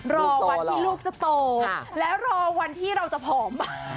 รอวันที่ลูกจะโตแล้วรอวันที่เราจะผอม